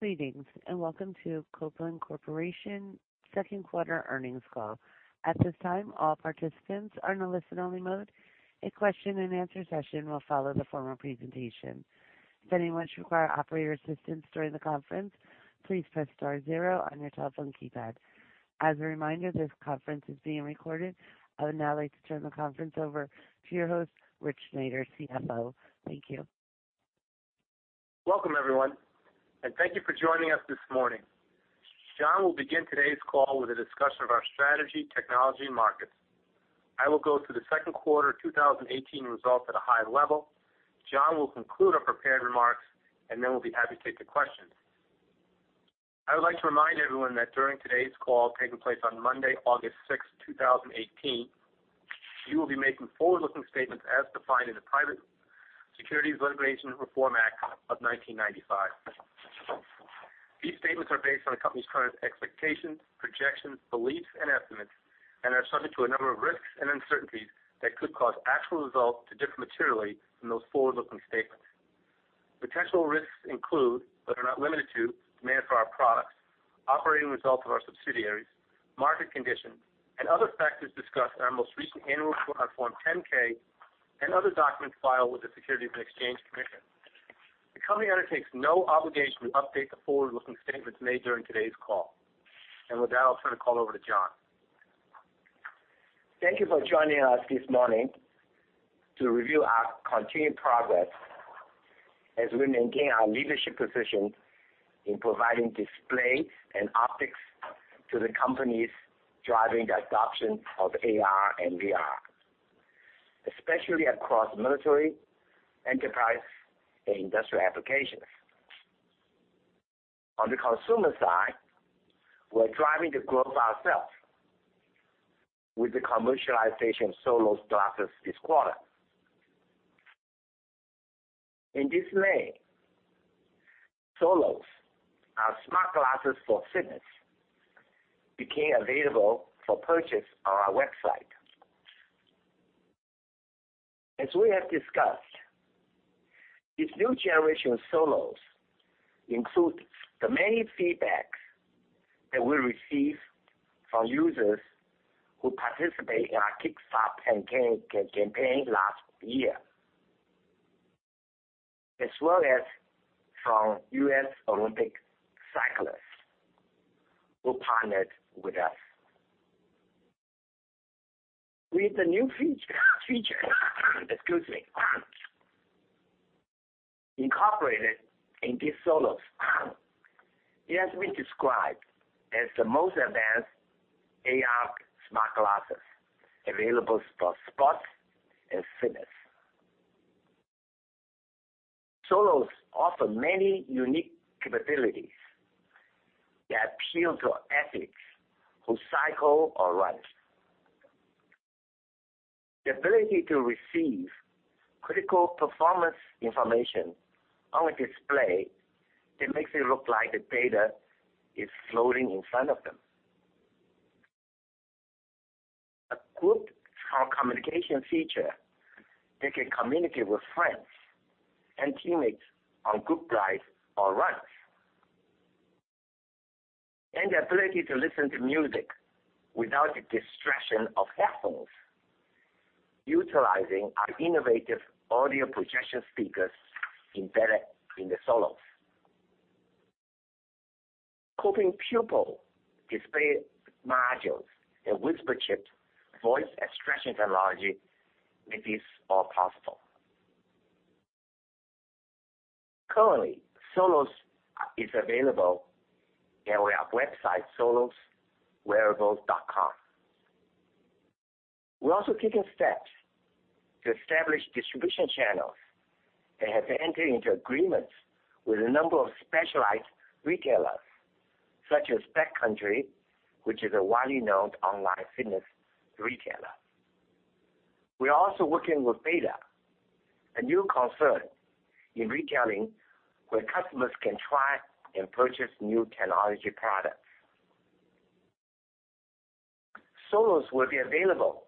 Greetings, welcome to Kopin Corporation second quarter earnings call. At this time, all participants are in a listen-only mode. A question and answer session will follow the formal presentation. If anyone should require operator assistance during the conference, please press star zero on your telephone keypad. As a reminder, this conference is being recorded. I would now like to turn the conference over to your host, Richard Sneider, CFO. Thank you. Welcome, everyone, thank you for joining us this morning. John will begin today's call with a discussion of our strategy, technology, and markets. I will go through the second quarter 2018 results at a high level. John will conclude our prepared remarks, we'll be happy to take the questions. I would like to remind everyone that during today's call, taking place on Monday, August sixth, 2018, we will be making forward-looking statements as defined in the Private Securities Litigation Reform Act of 1995. These statements are based on the company's current expectations, projections, beliefs, and estimates and are subject to a number of risks and uncertainties that could cause actual results to differ materially from those forward-looking statements. Potential risks include, are not limited to, demand for our products, operating results of our subsidiaries, market conditions, and other factors discussed in our most recent annual report on form 10-K and other documents filed with the Securities and Exchange Commission. The company undertakes no obligation to update the forward-looking statements made during today's call. With that, I'll turn the call over to John. Thank you for joining us this morning to review our continued progress as we maintain our leadership position in providing display and optics to the companies driving the adoption of AR and VR, especially across military, enterprise, and industrial applications. On the consumer side, we're driving the growth ourselves with the commercialization of Solos glasses this quarter. In this lane, Solos, our smart glasses for fitness, became available for purchase on our website. As we have discussed, this new generation of Solos includes the many feedback that we received from users who participated in our Kickstarter campaign last year, as well as from U.S. Olympic cyclists who partnered with us. With the new feature excuse me, incorporated in these Solos, it has been described as the most advanced AR smart glasses available for sports and fitness. Solos offer many unique capabilities that appeal to athletes who cycle or run. The ability to receive critical performance information on a display that makes it look like the data is floating in front of them. A group communication feature, they can communicate with friends and teammates on group rides or runs. The ability to listen to music without the distraction of headphones, utilizing our innovative audio projection speakers embedded in the Solos. Kopin Pupil display modules and Whisper voice extraction technology make this all possible. Currently, Solos is available on our website, solos-wearables.com. We're also taking steps to establish distribution channels and have entered into agreements with a number of specialized retailers, such as Backcountry, which is a widely-known online fitness retailer. We are also working with b8ta, a new concept in retailing where customers can try and purchase new technology products. Solos will be available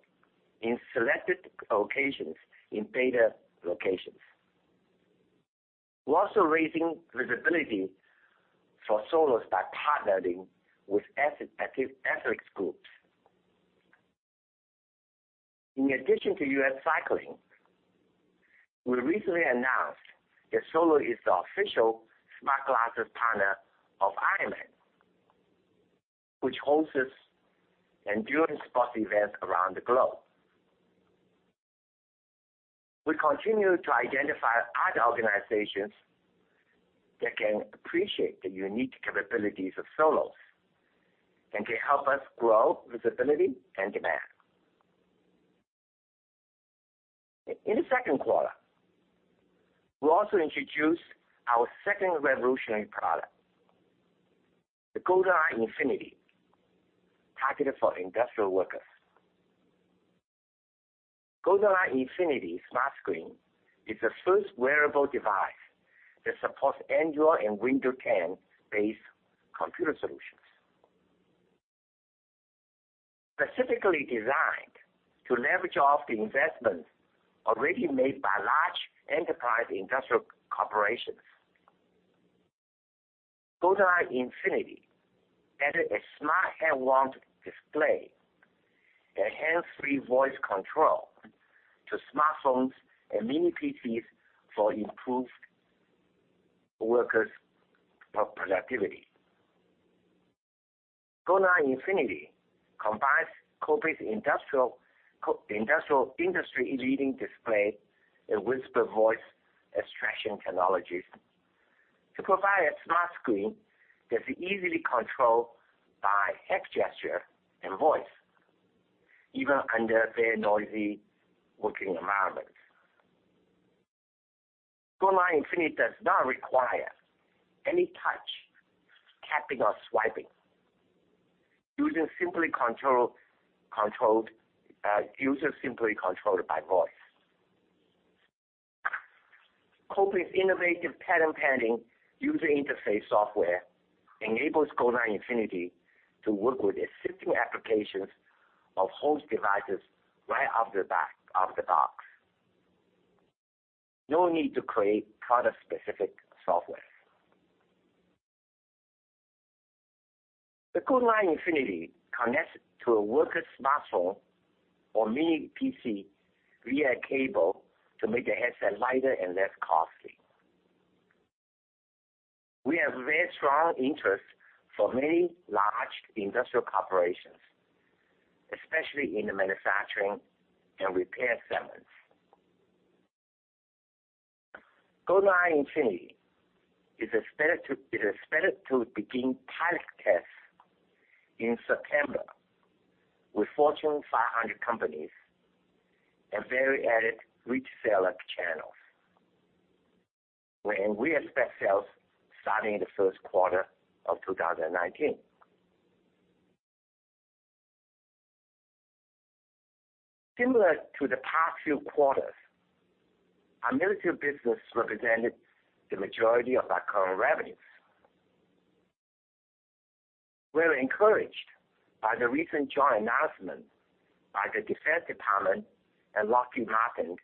in selected locations in b8ta locations. We're also raising visibility for Solos by partnering with athletes groups. In addition to USA Cycling, we recently announced that Solos is the official smart glasses partner of Ironman, which hosts endurance sports events around the globe. We continue to identify other organizations that can appreciate the unique capabilities of Solos and can help us grow visibility and demand. In the second quarter, we also introduced our second revolutionary product, the Golden-i Infinity, targeted for industrial workers. Golden-i Infinity Smart Screen is the first wearable device that supports Android and Windows 10-based computer solutions. Specifically designed to leverage off the investments already made by large enterprise industrial corporations. Golden-i Infinity added a smart head-mounted display and hands-free voice control to smartphones and mini PCs for improved workers' productivity. Golden-i Infinity combines Kopin's industry-leading display and Whisper voice extraction technologies to provide a smart screen that's easily controlled by head gesture and voice, even under very noisy working environments. Golden-i Infinity does not require any touch, tapping, or swiping. User simply controlled by voice. Kopin's innovative patent-pending user interface software enables Golden-i Infinity to work with existing applications of host devices right out of the box. No need to create product-specific software. The Golden-i Infinity connects to a worker's smartphone or mini PC via a cable to make the headset lighter and less costly. We have very strong interest for many large industrial corporations, especially in the manufacturing and repair segments. Golden-i Infinity is expected to begin pilot tests in September with Fortune 500 companies and [value-added reseller channels]. And we expect sales starting in the first quarter of 2019. Similar to the past few quarters, our military business represented the majority of our current revenues. We're encouraged by the recent joint announcement by the Department of Defense and Lockheed Martin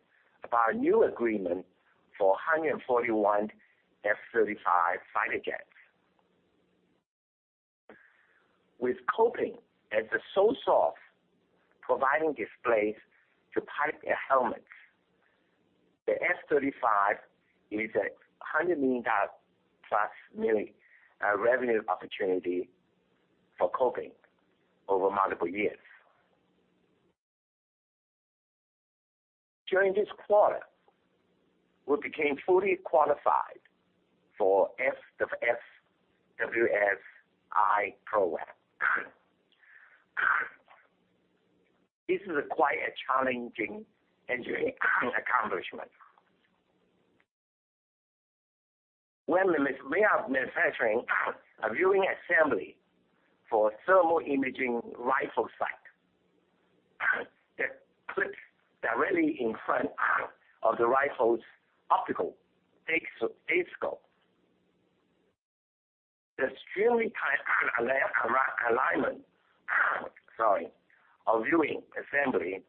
about a new agreement for 141 F-35 fighter jets. With Kopin as the sole source providing displays to pilot helmet, the F-35 is a $100 million-plus revenue opportunity for Kopin over multiple years. During this quarter, we became fully qualified for FWS-I program. This is quite a challenging engineering accomplishment. We are manufacturing a viewing assembly for thermal imaging rifle sight that clips directly in front of the rifle's optical base scope. The extremely tight alignment of viewing assembly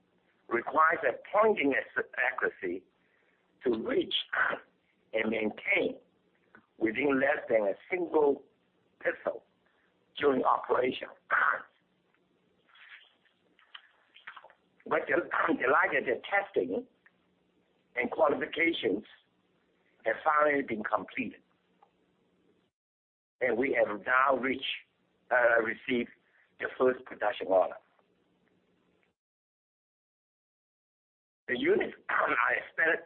requires a pointing accuracy to reach and maintain within less than a single pixel during operation. We're delighted that testing and qualifications have finally been completed, and we have now received the first production order. The units are expected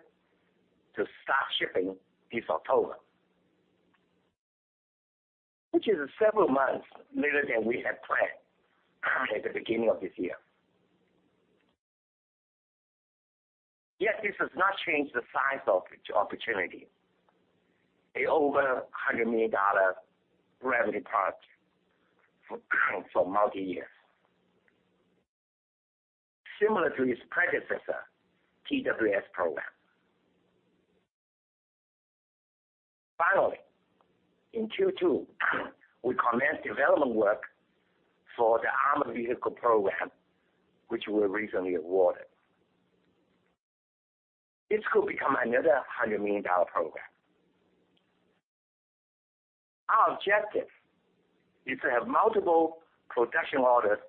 to start shipping this October, which is several months later than we had planned at the beginning of this year. This does not change the size of the opportunity. A over $100 million revenue product for multi-year. Similar to its predecessor, TWS program. In Q2, we commenced development work for the armored vehicle program, which we were recently awarded. This could become another $100 million program. Our objective is to have multiple production orders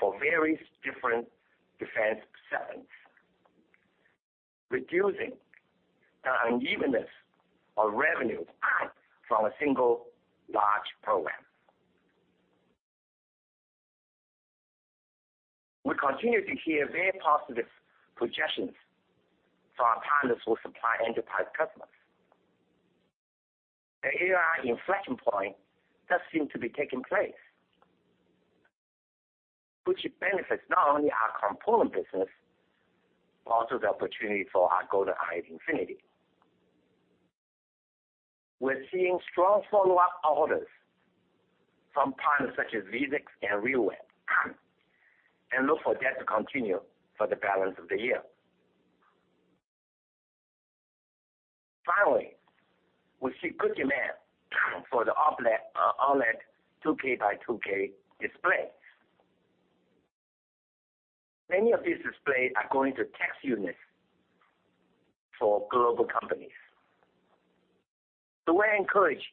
for various different defense segments, reducing the unevenness of revenue from a single large program. We continue to hear very positive projections from our partners who supply enterprise customers. The AI inflection point does seem to be taking place, which benefits not only our component business, but also the opportunity for our Golden-i Infinity. We're seeing strong follow-up orders from partners such as Vuzix and RealWear, and look for that to continue for the balance of the year. We see good demand for the OLED 2K by 2K displays. Many of these displays are going to test units for global companies. We're encouraged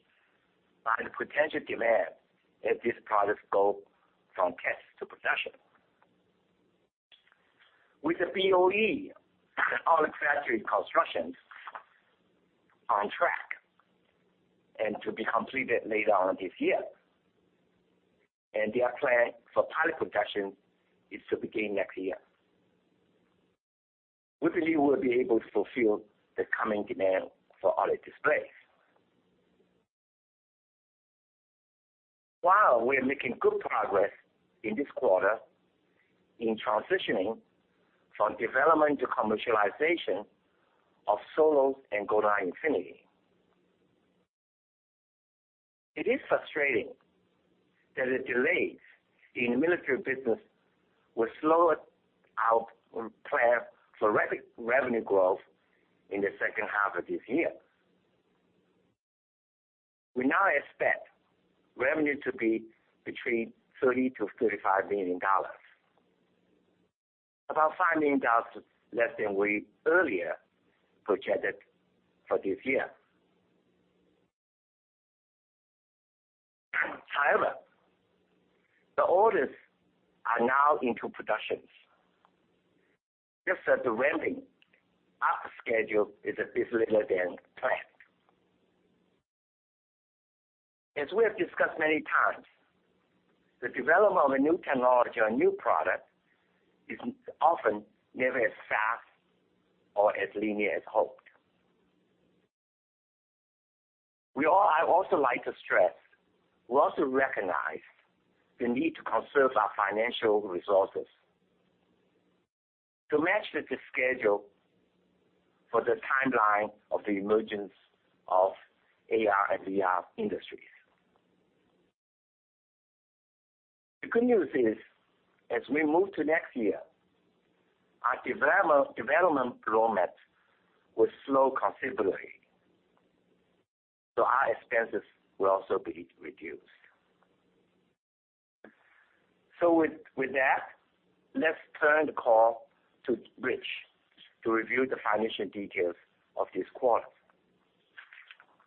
by the potential demand as these products go from test to production. With the BOE, the OLED factory construction on track and to be completed later on this year, and their plan for pilot production is to begin next year. We believe we'll be able to fulfill the coming demand for OLED displays. While we are making good progress in this quarter in transitioning from development to commercialization of Solos and Golden-i Infinity, it is frustrating that the delays in the military business will slow our plan for revenue growth in the second half of this year. We now expect revenue to be $30 million-$35 million. About $5 million less than we earlier projected for this year. The orders are now into production. Just that the ramping up schedule is a bit later than planned. As we have discussed many times, the development of a new technology or a new product is often never as fast or as linear as hoped. I also like to stress, we also recognize the need to conserve our financial resources to match with the schedule for the timeline of the emergence of AR and VR industries. The good news is, as we move to next year, our development roadmap will slow considerably. Our expenses will also be reduced. With that, let's turn the call to Rich to review the financial details of this quarter.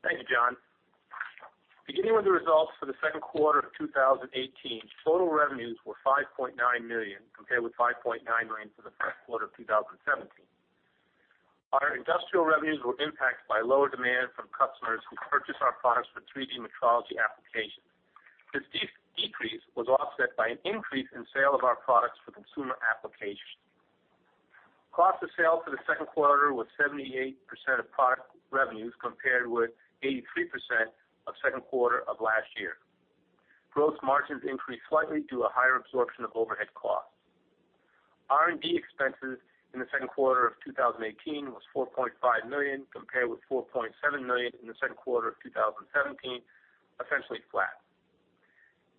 Thank you, John. Beginning with the results for the second quarter of 2018, total revenues were $5.9 million compared with $5.9 million for the first quarter of 2017. Our industrial revenues were impacted by lower demand from customers who purchase our products for 3D metrology applications. This decrease was offset by an increase in sales of our products for consumer application. Cost of sales for the second quarter was 78% of product revenues, compared with 83% of second quarter of last year. Gross margins increased slightly due to a higher absorption of overhead costs. R&D expenses in the second quarter of 2018 was $4.5 million, compared with $4.7 million in the second quarter of 2017, essentially flat.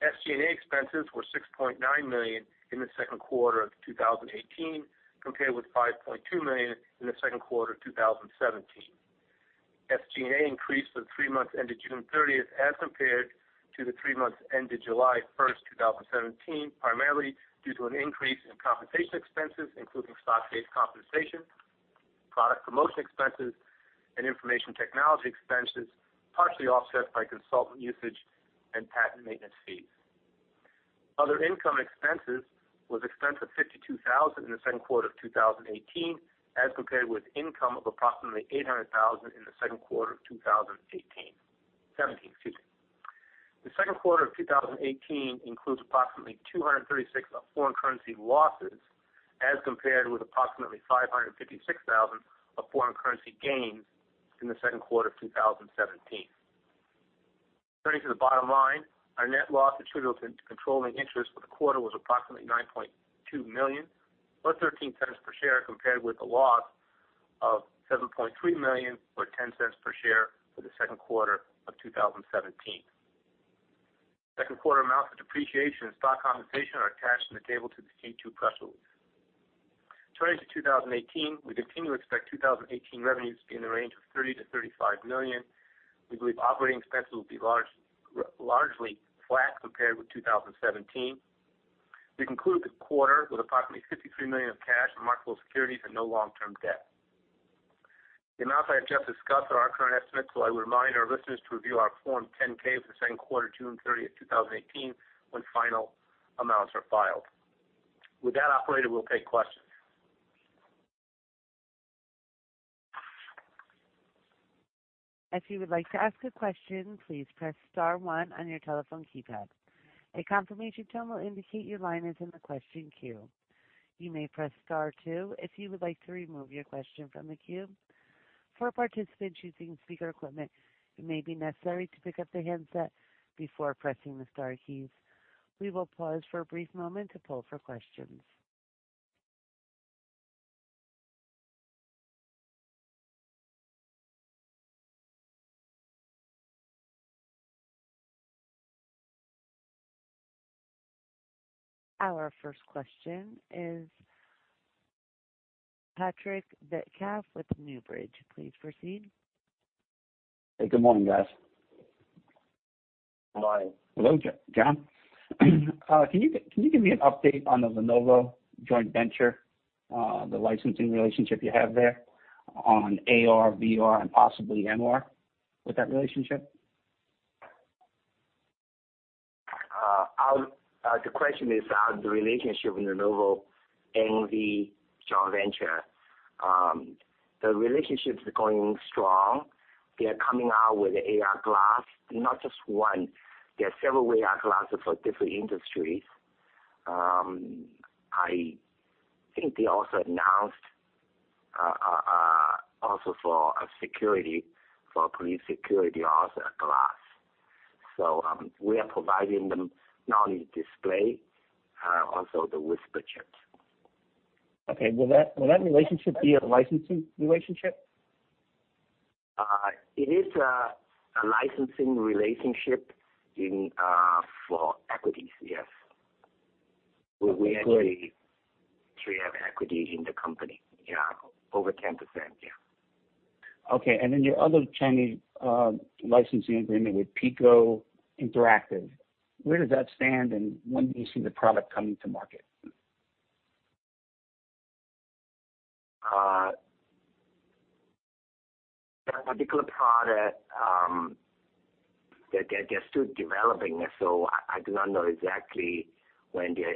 SG&A expenses were $6.9 million in the second quarter of 2018, compared with $5.2 million in the second quarter of 2017. SG&A increased for the three months ended June 30th as compared to the three months ended July 1st, 2017, primarily due to an increase in compensation expenses, including stock-based compensation, product promotion expenses, and information technology expenses, partially offset by consultant usage and patent maintenance fees. Other income expenses was expense of $52,000 in the second quarter of 2018, as compared with income of approximately $800,000 in the second quarter of 2017. The second quarter of 2018 includes approximately $236 of foreign currency losses, as compared with approximately $556,000 of foreign currency gains in the second quarter of 2017. Turning to the bottom line, our net loss attributable to controlling interest for the quarter was approximately $9.2 million, or $0.13 per share, compared with a loss of $7.3 million or $0.10 per share for the second quarter of 2017. Second quarter amounts of depreciation and stock compensation are attached in the table to the Q2 press release. Turning to 2018, we continue to expect 2018 revenues to be in the range of $30 million-$35 million. We believe operating expenses will be largely flat compared with 2017. We conclude the quarter with approximately $53 million of cash and marketable securities and no long-term debt. The amounts I have just discussed are our current estimates, so I would remind our listeners to review our Form 10-Q for the second quarter, June 30th, 2018, when final amounts are filed. With that, operator, we'll take questions. If you would like to ask a question, please press star one on your telephone keypad. A confirmation tone will indicate your line is in the question queue. You may press star two if you would like to remove your question from the queue. For participants using speaker equipment, it may be necessary to pick up the handset before pressing the star keys. We will pause for a brief moment to poll for questions. Our first question is Patrick BMetcalf with Newbridge. Please proceed. Hey, good morning, guys. Hi. Hello, John. Can you give me an update on the Lenovo joint venture, the licensing relationship you have there on AR, VR, and possibly MR with that relationship? The question is on the relationship with Lenovo in the joint venture. The relationship's going strong. They are coming out with AR glass. Not just one. There are several AR glasses for different industries. I think they also announced, also for security, for police security, also a glass. We are providing them not only display, also the Whisper Chip. Okay. Will that relationship be a licensing relationship? It is a licensing relationship for equities, yes. Okay. We actually have equity in the company. Yeah. Over 10%, yeah. Your other Chinese licensing agreement with Pico Interactive, where does that stand, and when do you see the product coming to market? That particular product, they're still developing it, so I do not know exactly when they're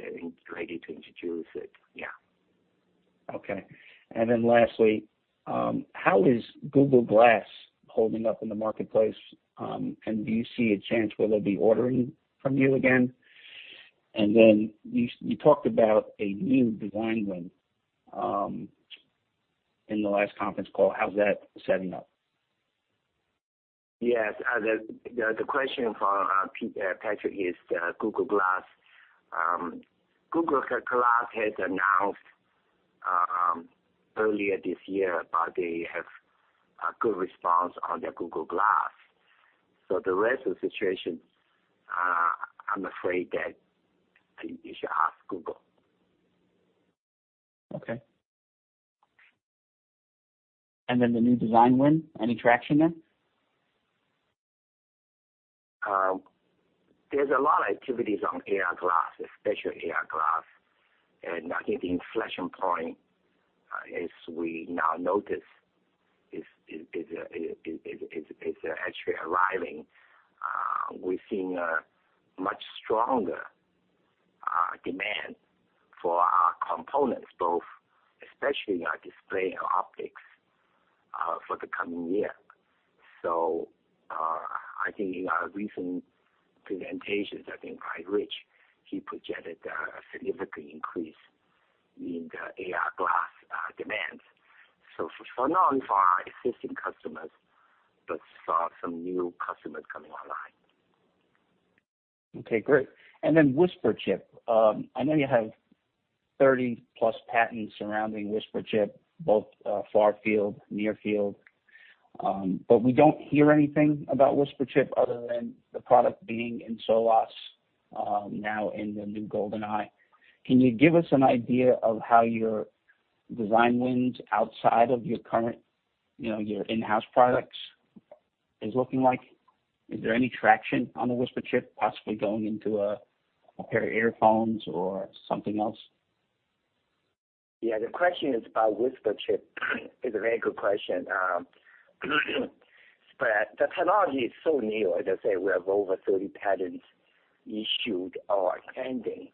ready to introduce it. Yeah. Okay. Lastly, how is Google Glass holding up in the marketplace? Do you see a chance where they'll be ordering from you again? You talked about a new design win in the last conference call. How's that setting up? Yes. The question from Patrick is Google Glass. Google Glass has announced earlier this year that they have a good response on their Google Glass. The rest of the situation, I'm afraid that you should ask Google. Okay. The new design win, any traction there? There's a lot of activities on AR glasses, especially AR glass. I think the inflection point, as we now notice, is actually arriving. We're seeing a much stronger demand for our components, both especially our display and optics, for the coming year. I think in our recent presentations, I think [inaudible] Rich, he projected a significant increase in the AR glass demand. For now, for our existing customers, but for some new customers coming online. Okay, great. Whisper Chip. I know you have 30-plus patents surrounding Whisper Chip, both far field, near field. We don't hear anything about Whisper Chip other than the product being in Solos, now in the new Golden-i. Can you give us an idea of how your design wins outside of your current in-house products is looking like? Is there any traction on the Whisper Chip possibly going into a pair of earphones or something else? The question is about Whisper. It is a very good question. The technology is so new. As I say, we have over 30 patents issued or pending.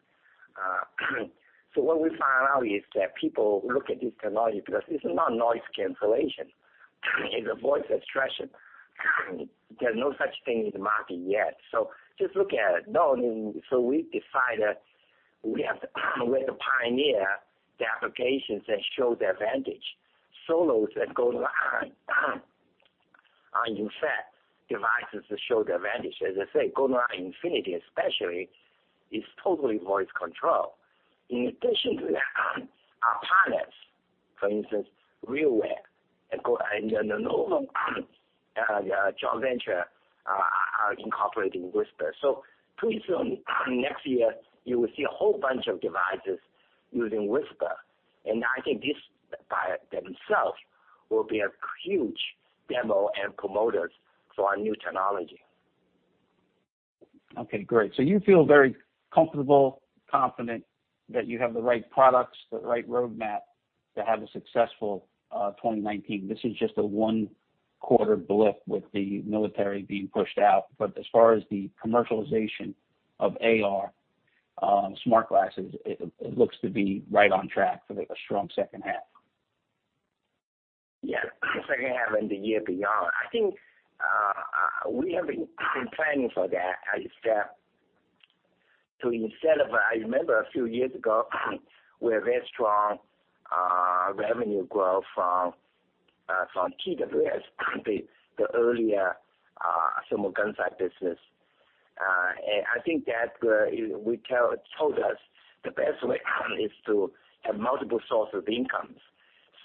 What we found out is that people look at this technology because it is not noise cancellation. It is a voice extraction. There is no such thing in the market yet. Just look at it. We decided we have to pioneer the applications that show the advantage. Solos and Golden-i are in fact devices that show the advantage. As I say, Golden-i Infinity especially is totally voice control. In addition to that, our partners, for instance, RealWear and Lenovo joint venture are incorporating Whisper. Pretty soon, next year, you will see a whole bunch of devices using Whisper. I think this by themselves will be a huge demo and promoters for our new technology. Okay, great. You feel very comfortable, confident that you have the right products, the right roadmap to have a successful 2019. This is just a one-quarter blip with the military being pushed out. As far as the commercialization of AR smart glasses, it looks to be right on track for a strong second half. Yes. Second half and the year beyond. I think we have been planning for that, is that, I remember a few years ago, we had very strong revenue growth from TWS, the earlier thermal gunsight business. I think that told us the best way is to have multiple sources of incomes.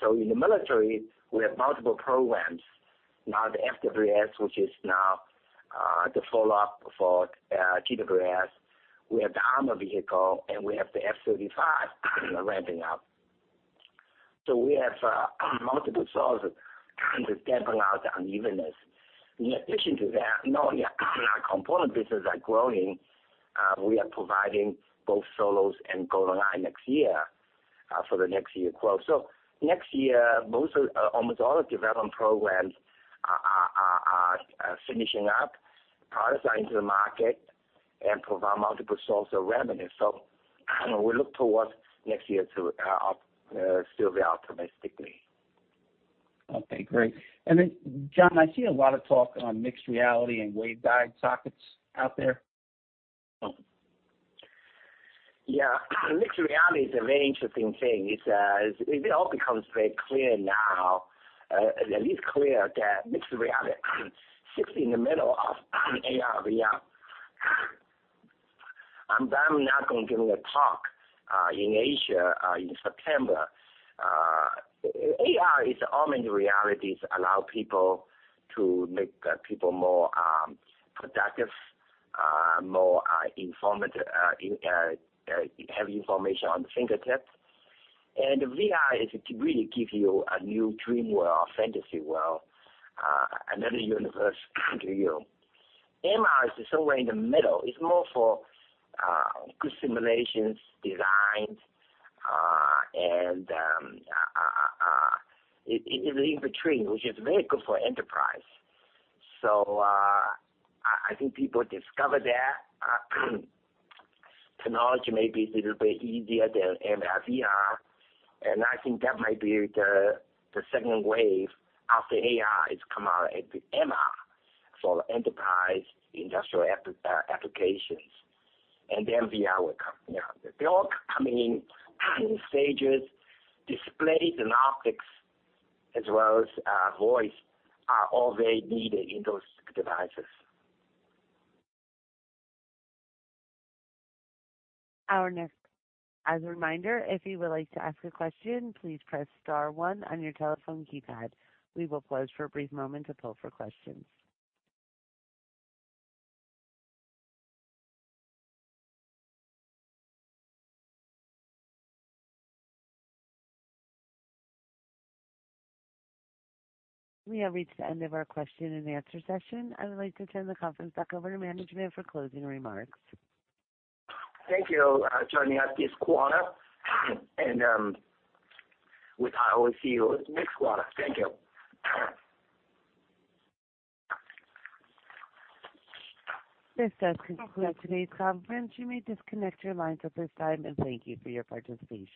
In the military, we have multiple programs. Now the FWS, which is now the follow-up for TWS. We have the armor vehicle, and we have the F-35 ramping up. We have multiple sources to dampen out the unevenness. In addition to that, not only are our component businesses are growing, we are providing both Solos and Golden-i next year for the next year growth. Next year, almost all the development programs are finishing up. Products are into the market and provide multiple sources of revenue. We look towards next year still very optimistically. Okay, great. John, I see a lot of talk on mixed reality and waveguide sockets out there. Yeah. Mixed reality is a very interesting thing. It all becomes very clear now, at least clear that mixed reality sits in the middle of AR and VR. I'm now going to give a talk in Asia in September. AR is augmented reality, it allow people to make people more productive, have information on the fingertips. VR really gives you a new dream world, fantasy world, another universe to you. MR is somewhere in the middle. It's more for good simulations, designs, and it lives between, which is very good for enterprise. I think people discover that technology may be a little bit easier than MR, VR. I think that might be the second wave after AI has come out, it'll be MR for enterprise industrial applications. VR will come. They're all coming in stages. Displays and optics as well as voice are all very needed in those devices. As a reminder, if you would like to ask a question, please press star one on your telephone keypad. We will pause for a brief moment to poll for questions. We have reached the end of our question and answer session. I would like to turn the conference back over to management for closing remarks. Thank you. Joining us this quarter, we will see you next quarter. Thank you. This does conclude today's conference. You may disconnect your lines at this time, thank you for your participation.